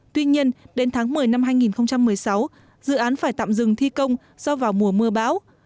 tuy nhiên đến tháng một mươi năm hai nghìn một mươi sáu dự án phải tạm dừng thi công do vào mùa mưa bão